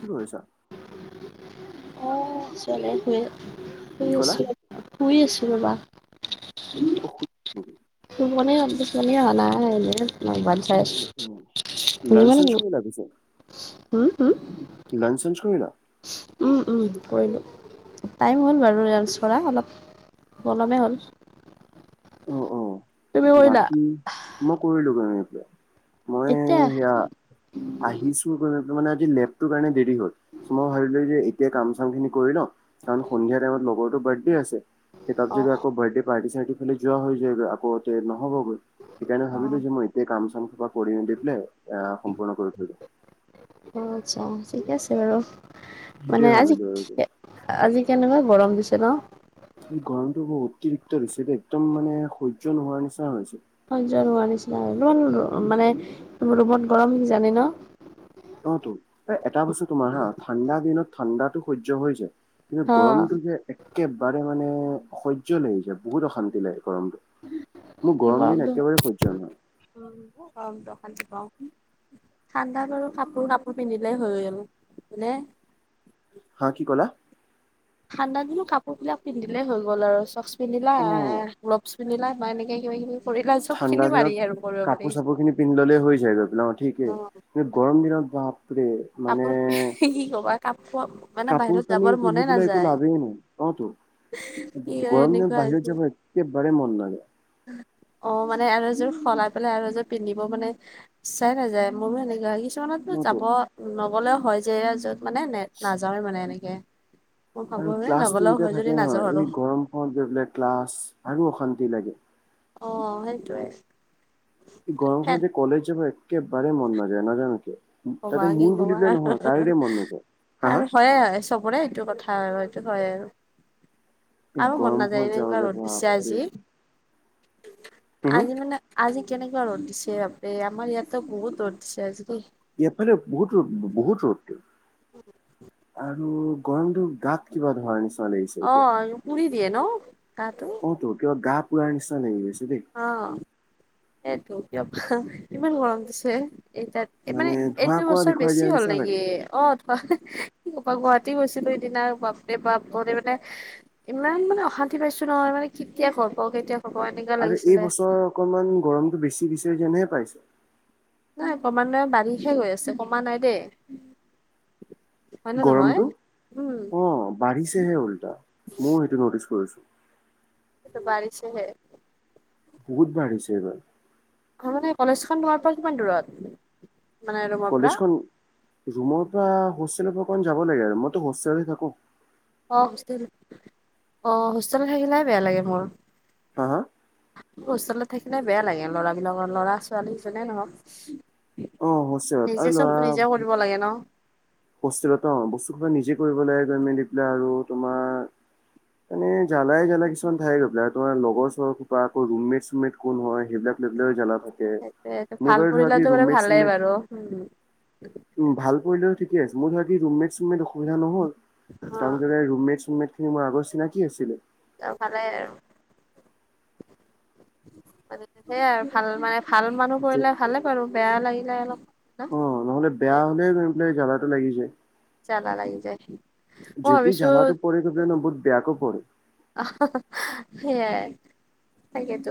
কি কৰিছা অ ছোৱালে শুৱে কি ক'লা? শুই আছো শুই আছো ৰবা অ' শু টোপনিয়ে টোপনিয়ে অহা নাই বাচ উম, উম। লাঞ্চ হুমম চাঞ্চ কৰিলা পিছে? হুম হু লাঞ্চ চাঞ্চ কৰিলা উম উম কৰিলো টাইম হ'ল বাৰু লাঞ্চ কৰা অলপ পলমে হ'ল অ' অ', তুমি কৰিলা বাকী মই কৰিলো বাৰু এতিয়া ম এতিয়া এআ আহিছো মানে আজি নেটটোৰ কাৰণে দেৰি হল মই ভাবিলো যে এতিয়া কাম চাম খিনি কৰি লও কাৰণ সন্ধিয়া টাইমত লগৰটোৰ বাৰ্থডে আছে সে তাত অ', যদি আকৌ বাৰ্থডে পাৰ্টি চাৰ্টি ফালে যোৱা হৈ যায় গৈ আকৌ তঞ নহ'বগৈ সেইকাৰণে ভাবিলো অ', যে মই গোটেই কাম চাম সোপা কৰি লৈ পেলে এ সম্পূৰ্ণ কৰি থৈ দিও অ আচ্ছা ঠিকে আছে বাৰু মানে সেইটোৱে আজি ভাবিলো আৰু। আজি কেনেকুৱা গৰম দিছে ন এই গৰমটো বহুত অতিৰিক্ত দিছে দেই একদম মানে সহ্য নোহোৱাৰ নিচিনা হৈছে সহ্য নোহোৱাৰ নিচিনা একদম মানে ৰুমত গৰম কিজানি ন অতো এ এটা বস্তু তোমাৰ হা ঠাণ্ডা দিনত ঠাণ্ডাতো সহ্য হৈ যায় কিন্তু অ', গৰমটো যে একেবাৰে মানে অসহ্য লাগি যায় বহুত অশান্তি লাগে গৰমটো মোৰ গৰম দিন গৰমটো একেবাৰে সহ্য নহয়। গৰমটো অশান্তি পাও ঠাণ্ডা বাৰু কাপোৰ চাপোৰ পিন্ধিলে হৈ গ'ল হয়নে হা কি ক'লা ঠাণ্ডা দিনৰ কাপোৰ বিলাক পিন্ধিলেই হৈ গ'ল আৰু চকস্ক পিন্ধিলা অ আআ গ্লভচ পিন্ধিলা বা এনেকে কিবা কিবি কৰিলা চব ঠাণ্ডা খিনি পাৰি দিনত আৰু কৰিব পাৰি কাপোৰ চাপোৰ খিনি পিন্ধি ললে হৈ যায় আৰু ন ঠিকেই গৰম দিনত বাপৰে মানে কাপোৰ কি কবা কাপোৰ মানে কাপোৰ বাহিৰত কানি যাবৰ মনে পিন্ধি পেলাই একো নাযায় লাভেই নাই অহতো কি গৰম এনেকুৱা দিনত বাহিৰত যাব একেবাৰে মন নাযায় অ মানে আৰু এযোৰ সলাই পেলাই আৰু এযোৰ পিন্ধিব মানে ইচ্ছাই নাযায় মোৰো হেনেকা হয় ইচ কিছুমানতো অতো। যাব নগলেও হয় যে য'ত মানে নে নাযাওৱে মানে এনেকে মই ভাবো আৰু যে ক্লাছটো নগলেও যেতিয়া হয় যদি থাকে নহয় নাযাও আৰু এই গৰম সময়ত গৈ পেলাই ক্লাছ আৰু অশান্তি লাগে অ সেইটোৱে এ গৰমখনত যে কলেজ যাব একেবাৰে মন নাযায় নাজানো কিয় ক'বা সেইটো কি মোৰ ক'বা বুলি পিনে নহয় কাৰোৰে মন নাযায় হা আৰু হা হয়ে, চবৰে সেইটো কথা আৰু সেইটো হয়ে আৰু। এই আৰু মন গৰমখনত নাযায় এনেকুৱা যাবলে ৰ'দ দিছে বাপৰে আজি! হম হম আজি মানে আজি কেনেকুৱা ৰ'দ দিছে বাপৰে আমাৰ ইয়াততো বহুত ৰ'দ দিছে আজি দেই। এইফালে বহুত ৰ'দ বহুত ৰ'দ! আৰু গৰমতো গাত কিবা ধৰা নিচিনা। লাগিছে অ এতিয়া। পুৰি দিয়ে ন গাটো? অ কিবা গা পুুৰাৰ নিচিনা লাগি গৈছে দেই। অ, এইটো কিয়বা ইমান গৰম দিছে। এই তাত এই মানে ধোঁৱা এইটো কোৱা বছৰ দেখুৱাই বেছি দিয়াৰ হ'ল নিচিনা নেকি! লাগে। অ পাপা গুৱাহাটী গৈছিলে সেইদিনা বাপৰে বাপ কওঁতে মানে ইমান মানে অশান্তি পাইছো নহয় মানে কেতিয়া ঘৰ পাওঁ কেতিয়া [unintelligible] আৰু এই বছৰ অকমান গৰমতো বেছি বেছি যেন হে পাইছোঁ। নাই কমা নাই বাৰিহে গৈ আছে! কমা নাই দেই। হয় নে নহয়? গৰমটো উম, অ বাঢ়িছেহে ওলতা মইও সেইটো নটিচ কৰিছো। বাঢ়িছেহে। বহুত বাঢ়িছে এইবাৰ। অঁ, মানে কলেজখন তোমাৰ পৰা কিমান দূৰত? মানে ৰুমৰ পৰা কলেজখন ৰুমৰ পৰা হোষ্টেলৰ পৰা অকণ যাব লাগে মইতো হোষ্টেলতহে থাকো। অ, হোষ্টেল অ হোষ্টেলত থাকিলেহে বেয়া লাগে মোৰ। হা- হা- হোষ্টেলত থাকিলে বেয়া লাগে লৰাবিলাকৰ! ল'ৰা- ছোৱালী যোনেই নহওক। অ হোষ্টেলত আৰু নিজে ল'ৰা চব নিজে কৰিব লাগে ন। হোষ্টেলত অ বস্তু সোপা নিজে কৰিব লাগে গৈ মেলি পেলে! আৰু তোমাৰ মানে জালাই, জালাই কিছুমান থাকে গৈ পেলাই তোমাৰ লগৰ চগৰ সোপা! আকৌ ৰুম মেট কোন হয় সেইবিলাক লৈ পেলাইও জালা থাকে। সেইটোৱে ভাল মোবাইল ধৰা কি কৰিলেতো বাৰু ৰুমমেট, ভালে চুমমেট বাৰু উম উম! ভাল পৰিলেও ঠিকে আছে মোৰ ধৰা কি ৰুমমেট চুমমেট অসুবিধা নহয়। কাৰণ অ কেলে ৰুমমেট চুমমেট খিনি মোৰ আগৰ চিনাকি আছিলে। ভালে আৰু! সেইয়াই ভাল মানে ভাল মানুহ য'ত পৰিলে ভালে বাৰু। বেয়া লাগিলে অলপ অ নহ'লে বেয়া হ'লে গৈ পেলাই জ্বালাটো লাগি যায়। জালা লাগি যায় মই যদি ভাবিছো জ্বালাটো পৰি থাকে ন! বহুত বেয়াকৈ পৰে। সেয়াই তাকেতো।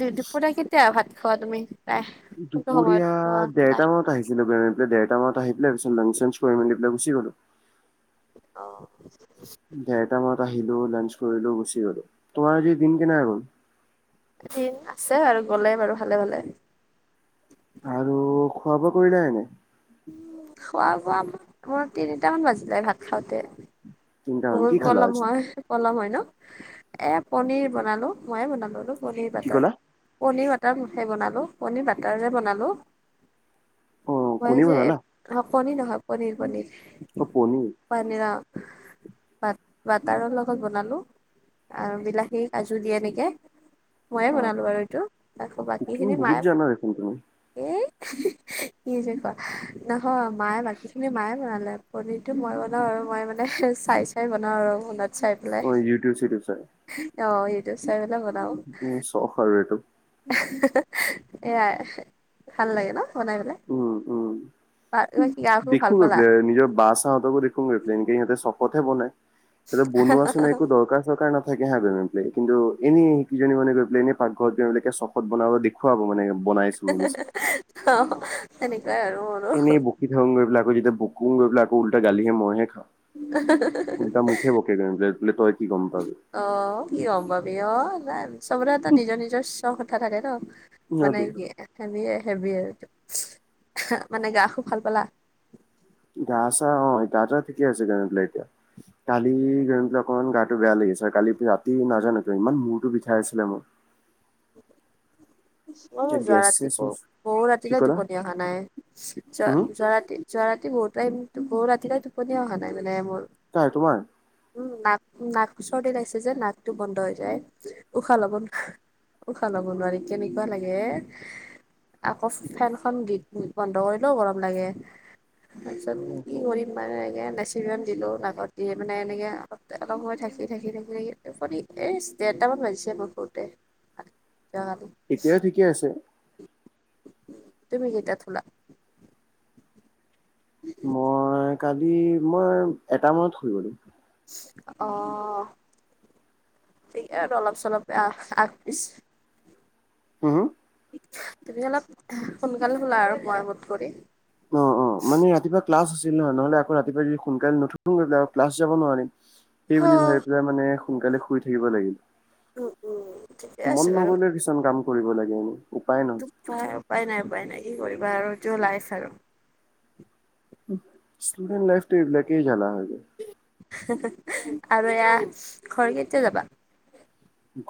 দুই- দুপৰীয়া কেতিয়া ভাত খাবা তুমি? প্ৰায় কোনটো সময়ত দুপৰীয়া খোৱা প্ৰায়? ডেৰটা মানত আহি [unintelligible] অ! ডেৰটা মানত আহিলো লাঞ্চ কৰিলো গুচি গলো! তোমাৰ আজি দিন কেনেকা গল? দিন আছে আৰু গ'লে বাৰু ভালে ভালে। আৰু খোৱা- বোৱা কৰিলা এনে? খোৱা -বোৱা মই তিনিটামান বাজিলে ভাত খাওঁতে। তিনটামান বহুত কি খালা পলম আজি? হয়। পলম হয় ন! এ পনীৰ বনালো ময়ে বনালো আৰু পনীৰ, কি বাটাৰ ক'লা? পনীৰ-বাটাৰ বনালো পনীৰ বাটাৰেৰে বনালো। অ মই কণী যে বনালা? কনীৰ নহয় পনীৰ, পনীৰ। অ', পনীৰ। পনীৰ অ'। বাত-বাটাৰৰ লগত বনালোঁ আৰু বিলাহী কাজু দিয়ে এনেকে। ময়ে অ বনালোঁ আৰু এইটো আকৌ বাকী কুকিং খিনি বহুত জানা দেখোন মায়ে এই [inaudible] কি যে কোৱা, নহয় মায়ে বাকী খিনি মায়ে বনালে পনিৰতটো মই বনা আৰু মই মানে চাই, চাই বনাওঁ আৰু ফোনত চাই পেলাই। ইউটিউব-চিইউটিউব চাই? অ', ইউটিউব চাই পেলাই বনাওঁ। উম চখ আৰু এইটো? এয়াই ভাল লাগে ন বনাই পেলাই। উম, উম গাখো ভাল দেখোঁ পালা যে নিজৰ বা চা হতকো দেখোঁ। এনেকে সিহঁতে ছশত হে বনাই, সেইটো বনুৱা চনুৱা একো দৰকাৰ চৰকাৰ নথাকে হা কিন্তু এনেই সেই কিজনী মানে গৈ পেলাই এনে পাকঘৰত গৈ পেলাই চখত বনাব দেখুৱাব মানে বনাইচো। অ', সেনেকুৱাই আৰু। এনেই বকি থাক গৈ পেলাই, আকৌ যদি বকো গৈ আকৌ উলটা গালি মইহে খাওঁ। উলটা মোকহে বকে গৈ বোলে তই কি গম পাবি। অ', কি গম পাবি অ', নাই চবৰে এটা নিজৰ, নিজৰ চখ এটা থাকে ন। মানে কি হেবিত হেবিয়ে আৰু মানে গা অসুখ ভাল পালা? গা চা অ', গা ঠিকে আছে কেনে বলে এতিয়া। কালি গৈ পেলাই অকণমান গাটো বেয়া লাগিছে আৰু কালি ৰাতি নাজানো কিয় ইমান মূৰটো বিষাই আছিলে মোৰ। এতিয়া অ', যোৱা ৰাতি গেছ-চেছ হৈছে। বৰু কি ৰাতিলে ক'লা? টোপনি অহা নাই উম, যোৱা-যোৱা ৰাতি যোৱা ৰাতি বহুত টাইম বহু ৰাতিলৈ টোপনিয়েই অহা নাই মানে মোৰ। কাৰ তোমাৰ? উম নাক, নাক ওচৰতে লাগিছে যে নাকটো বন্ধ হৈ যায় উশাহ ল'ব নোৱাৰো। উশা লব নোৱাৰি কেনেকুৱা লাগে। আকৌ ফেনখন গী বন্ধ কৰিলেওঁ গৰম লাগে। তাৰ পিছত কি কৰিম? মানে এনেকে নেচিপিখন দিলোঁ নাগত দি মানে এনেকৈ অলপ, অলপ সময় থাকি, থাকি, থাকি টোপনি এইচ ডেৰটামান বাজিছে মোৰ শুতে। [unintelligible] যোৱা কালি এতিয়াও ঠিকে আছে। তুমি কেইটাত সুলা? মই কালি মই এটা মানত শুই গলোঁ। অ'। একেই আৰু অলপ চলপ আগ-পিছ। উম। তুমি অলপ সোনকালে শুলা আৰু মই মুত কৰি? উম, উম। মানে ৰাতি পুৱা ক্লাছ আছিল ন, নহ'লে আকৌ ৰাতি পুৱা যদি সোনকালে নুঠো গৈ পেলাই ক্লাছ যাব নোৱাৰিম। সেই হ বুলি ভাবি পেলাই মানে সোনকালে শুই থাকিব লাগিল। উম উম ঠিকে আছে মন বাৰু নগলেওঁ কিছুমান কাম কৰিব লাগে আমি উপায় নাই। হয় উপায় নাই, উপায় নাই কি কৰিবা আৰু যোৰ লাইফ আৰু। ষ্টুডেণ্ট লাইফটো এইবিলাকেই জালা হয় গৈ। আৰু এয়া ঘৰ কেতিয়া যাবা?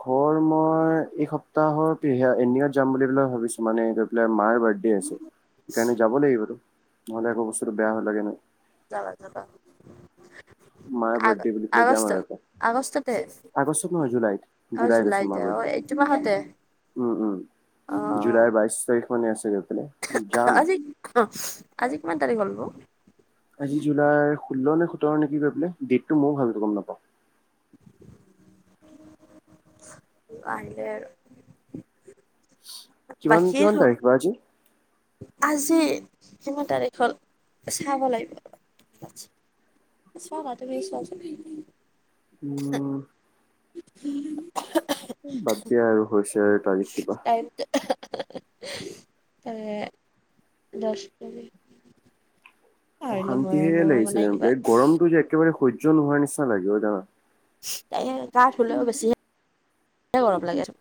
ঘৰ মই এই সপ্তাহৰ এইয়া এনিয়াত যাম বুলি ভাবিছো মানে গৈ পেলাই মাৰ বাৰ্থ কেই আছে। সেইকাৰণে যাব লাগিবতো নহ'লে আকৌ বস্তুটো বেয়া লাগে নহয়। যাবা যাবা। মাৰ বাৰ্থডে বুলি পেলাই যাম আৰু এপাক আগ-আগষ্টত-আগষ্টতে? আগষ্টত নহয় জুলাইত অ', জুলাইত আছে মাৰ জুলাইতে বাৰ্থডে অ' এইটো মাহতে? উম, উম, অ জুলাইৰ বাইশ তাৰিখ মানে আছে পেলাই যাম। আজি অ' আজি কিমান তাৰিখ হ'লনো? আজি জুলাই ষোল্ল নে সোতৰ নেকি গৈ পেলাই ডেটতো মইয়ো ভালকে গম নাপাওঁ। আহিলে আৰু। কিমান বাকী কিমান তাৰিখ বা আজি আজি কিমান তাৰিখ হ'ল চাব লাগিব। চোৱা মা তুমিয়ে চোৱা। উম। [inaudible] বাদ দিয়া আৰু হৈছে। তাৰিখ কিবা। [inaudible] তাকে [unintelligible] অশান্তিহে লাগিছে কিবা এই গৰমটো যে একেবাৰে সহ্য নোহোৱাৰ নিচিনা লাগে অ' জানা! এই গা ধুলেও বেছি হে গৰম লাগে আৰু।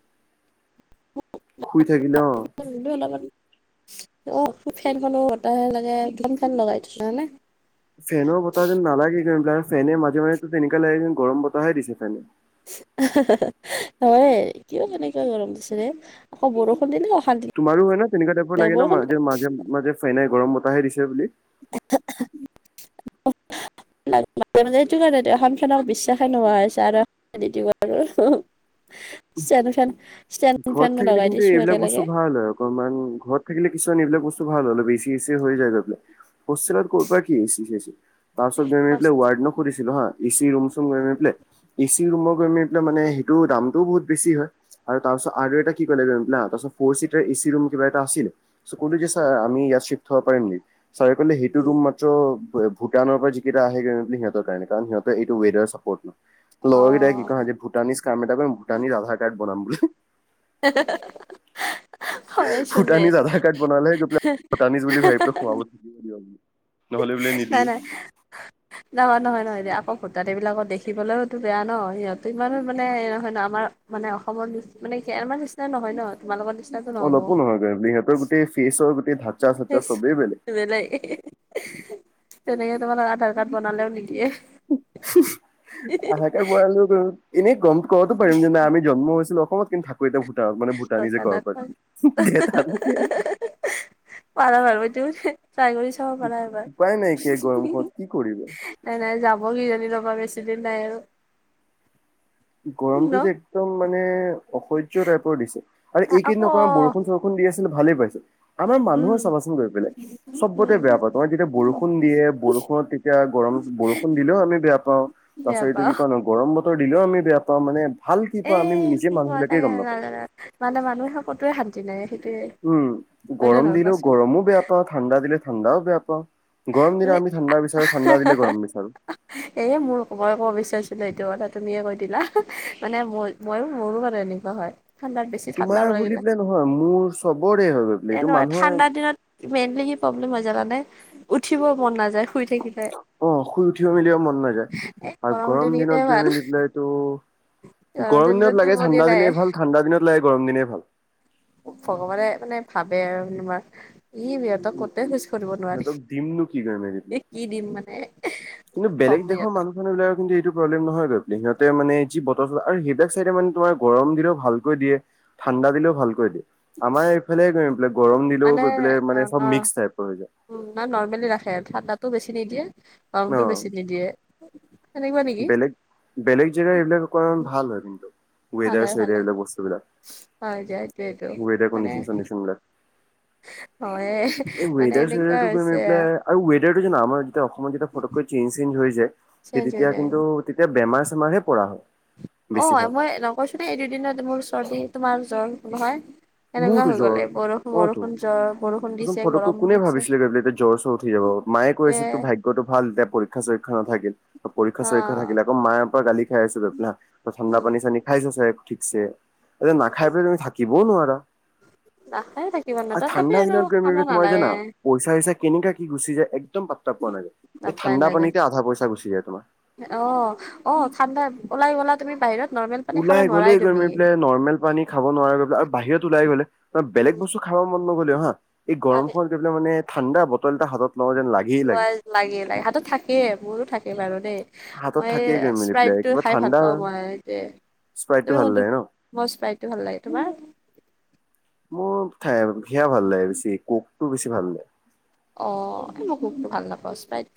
শুই থাকিলে অ'। [unintelligible] অ' ফেনখনো বতাহে নালাগে দুখন ফেন লগাই দিছো জানানে। ফেনৰ বতাহ যেন নালাগে যেন ফেনে মাজে মাজেতো তেনেকুৱা লাগে যে গৰম বতাহে দিছে ফেনে। হয়ে কিয় কেনেকা গৰম দিছে ৰে আকৌ বৰষুণ দিলেও তোমাৰো হয় ন তেনেকুৱা টাইপৰ লাগে ন মাজে-মাজে-মাজে ফেনে গৰম বতাহে দিছে বুলি। [inaudible] মাজে মাজে এইেটো কাৰণেটো অসমখনক বিশ্বাসে নোহোৱা হৈছে আৰু। দি দিওঁ আৰু চনো চেন ঘৰত থাকিলে কিন্তু এইবিলাক বস্তু ভাল আৰু। অকণমান ঘৰত থাকিলে কিছুমান এইবিলাক বস্তু ভাল হয় অলপ এছি এছি হৈ যায় গৈ পেলে। হোষ্টেলত ক'ৰ পৰা কি এছি চেছি তাৰপছত গৈ গৈ পেলে ৱাৰ্ডনক সুধিছিলো হা এচি ৰুম চুম গৈ মেলি পেলে। এচি ৰুমৰ গৈ মেলি পেলে মানে সেইটো দামটোও বহুত বেছি হয়। আৰু তাৰপিছত আৰু এটা কি ক'লে জানা? তাৰপিছত ফ'ৰ চিটাৰ এচি ৰুম কিবা এটা আছিল। ক'লো কি ছাৰ আমি কি ইয়াত চিফ্ট হ'ব পাৰিম নি? ছাৰে ক'লে সেইটো ৰুম মাত্ৰ ভূটানৰ পৰা যি কেইটা আহে সিহঁতৰ কাৰণ। কাৰণ সিহঁতে এইটো ৱেডাৰ চাৰ্পত নহয়। অ লগৰ কেইটাই কি ভুটাৰনিছ কাম এটা ভুটাৰনিছ আধাৰ কাৰ্ড বনাম বোলে। [inaudible] হয়টোন দে। ভূটানিজ আধাৰ কাৰ্ড বনালেহে গৈ পেলাই ভূটানিজ বুলি ভাবি [inaudible] বোলে নাই নিদিয়ে নাই। [inaudible] নহয় নহয় নহয় আকৌ ভোটাত এইবিলাকো দেখিবলৈওতো বেয়া ন সিহঁতো ইমানো মানে হেৰি নহয় ন। আমাৰ মানে অসমৰ মানে আমাৰ নিচিনা নহয় ন তোমালোকৰ নিচ অলপো নহয় বে সিহঁতৰ গোটেই ফেচৰ গোটেই ঢাক ফেচ বেলেগ তেনেকে তোমালোক আধাৰ কাৰ্ড বনালেও নিদিয়ে। আহাকে বৰালো কৰিম এনেই গম কবতো পাৰিম যেন আমি জন্ম হৈছিলো অসমত কিন্তু থাক- কো এতিয়া ভূটানত মানে ভূটানি যে কব পাৰিম গে টানকে পাৰা বাৰু এইটো হে ট্ৰাই কৰি চাব পাৰা এবাৰ উপায় হি নাইকিয়া হি গৰমখনত হি কি কৰিবা নাই নাই যাব কিজানী ৰ'বা বেছি দিন নাই আৰু। ন গৰমতটো যে একদম মানে অসহ্য টাইপৰ দিছে আৰু আকৌ এইকেইদিন অকৰা বৰষুণ চৰষুণ - দি আছিলে ভালেই পাইছো আমাৰ উম মানুহৰ চাবাচোন গৈ পেলাই চবতে উম বেয়া পাওঁ তোমাৰ যেতিয়া বৰষুণ দিয়ে বৰষুণত তেতিয়া গৰম বৰষুণ দিলেও আমি বেয়া পাওঁ। বেয়া তাৰপিছত এইটো কি পাওঁ। কয় ন গৰম বতৰ দিলেও আমি বেয়া পাওঁ মানে ভাল কি এ পাওঁ আমি নিজে কি কোৱা মানুহবিলাকেই তাকে গম নাপাওঁ। নাজানো মানে মানুহে কতোৱে শান্ত- ন্তি নাই সেইটোৱে। উম গৰম দিলেও গৰমো বেয়া পাওঁ ঠাণ্ডা দিলে ঠাণ্ডাও বেয়া পাওঁ। গৰম দিলে তুমি আমি ঠাণ্ডা বিচাৰো ঠাণ্ডা দিলে গৰম বিচাৰো। এ মোৰ মই ক'ব বিচাৰিছিলো এইটো কথা তুমিয়ে কৈ দিলা মানে মোৰ মইয়ো মোৰলগত এনেকুৱা হয় ঠাণ্ডাত বেছি ঠাণ্ডা হ'ব তোমাৰ বুলি লাগিলে পেলাই নহয় মোৰ চবৰে হৈ গ'ল এ নহয় ঠাণ্ডা দিনত মেইনলি কি প্ৰব্লেম হয় জানানে উঠিব মন নাযায় শুই থাকিলে। অ শুই উঠিব মেলিব মন নাযায় এ আৰু গৰম দিনকেইটাই দিনত গৈ ভাল মেলি পেলাই এইটো গৰম দিনটোত দিনত লাগে টোপনি ঠাণ্ডা নাহে দিনে ভাল ঠাণ্ডা দিনত লাগে গৰম দিনে ভাল। ভগৱানে মানে ভাবে আৰু তোমাৰ ই ব্যক- কতে মিছ কৰিব নোৱাৰি সিহঁতক দিমনো কি গৈ মেলি পেলাই কি দিম মানে কিন্তু বেলেগ থম দেশৰ ইহঁতক মানুহ বিলাকে কিন্তু এইটো প্ৰব্লেম নহয় গৈ পিনে সিহঁতে মানে যি বতৰটো আৰু সেইবিলাক চাইটে মানে তোমাৰ গৰম দিলেও ভালকৈ দিয়ে। ঠাণ্ডা দিলেও ভালকৈ দিয়ে। আমাৰ এইফালে গৈ পেলাই গৰম দিলেও গৈ পেলাই মানে চব মিক্স টাইপৰ হৈ যায়। উ না নৰৰ্মেলি ৰাখে ঠাণ্ডাটো বেছি নিদিয়ে ন গৰমটো বেছি নিদিয়ে। সেনেকুৱা নেকি বেলেগ বেলেগ জেগাই এইবিলাক কৰন ভাল হয় কিন্তু ভালে ৱেদাৰ ভালে চোৱেদাৰ এইবিলাক বস্তুবিলাক হয় দিয়া এইটো এইটো ৱেদাৰ কনডিচন চনডিচন বিলাক হয়ে এই ৱেডাৰ চোৱেদাৰ টো গৈ মেই পেলাই আৰু ৱেডাৰটো যেন আমাৰ যেতিয়া অসমত যেতিয়া ফটককৈ চেঞ্জ চেঞ্জ হৈ যায় সেই চেঞ্জ হৈ তেতিয়া যায় কিন্তু তেতিয়া বেমাৰ চেমাৰহে পৰা হয়। অ এ বেছিভাগ মই নকৈছো দেই এই দুদিনত মোৰ চৰ্দি তোমাৰ জ্বৰ নহয় এনেকুৱা মোৰতো হৈ গ'লে জ্বৰ বৰষুণ অ তো বৰষুণ জ্বৰ বৰষুণ তচোন দিছে পটককৈ গৰম কোনে হৈছে ভাবিছিলে গৈ পেলাই এতিয়া জ্বৰ চৰ উঠি যাব মায়ে যে কৈছে তো ভাগ্যটো ভাল যেতিয়া পৰীক্ষা চৰীক্ষা নাথাকিল পৰীক্ষা অ চৰীক্ষা থাকিলে ত মায়ে পৰা গালি খাই আছো [unintelligible] ঠাণ্ডা উম পানী চানী খাইছে চাগে ঠিকছে এতিয়া নাখাই বৈ তুমি থাকিবও নোৱাৰা নাখায় থাকিব নে আৰু তথাপি ঠাণ্ডা আৰু দিনত গৈ খাব মেলি তোমাৰ নালাগে। জানা পইচা চইচা কেনেকা কি গুচি যায় একদম পাত্তা পোৱা নাযায় এই নাপায় ঠাণ্ডা নাযায় পানীতে আধা পইচা গুচি যায় তোমাৰ। অ অ ঠাণ্ডা ওলাই গ'লা তুমি বাহিৰত নৰ্মেল পানী খাব ওলাই নোৱাৰাই গ'লেই কৰিম তুমি এই পেলাই নৰ্মেল পানী খাব নোৱাৰো গৈ পেলাই আৰু বাহিৰত ওলাই গ'লে ত বেলেগ উম বস্তু খাব মন নগ'লেও হা এই পানী গৰম খনত গৈ পেলাই মানে ঠাণ্ডা বটল এটা হাতত লওঁ যেন লাগ- লোৱাই লাগে লাগে হাতত থাকেই মোৰো থাকে বাৰু দেই। হাতত মই থাকেই এ গৈ মেলি পেলাই স্প্ৰাইটতো কিবা খাই ভাল ঠাণ্ডা পাওঁ মই এতে স্প্ৰাইটটো তুমি ভাল মনটো লাগে ন। মই স্প্ৰাইটতো ভাল লাগে তোমাৰ মোৰ সেইয়া ভাল লাগে বেছি ক'ক টো বেছি ভাল লাগে। অ', মই ক'কটো ভাল নাপাওঁ স্পাৰাইটো